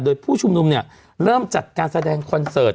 โดยผู้ชุมนุมเนี่ยเริ่มจัดการแสดงคอนเสิร์ต